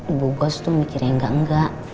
ibu bos tuh mikirnya ga ga